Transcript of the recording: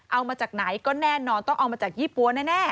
เอามาจากไหนก็แน่นอนต้องเอามาจากยี่ปั๊วแน่